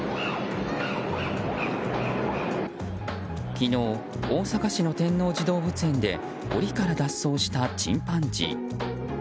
昨日、大阪市の天王寺動物園で檻から脱走したチンパンジー。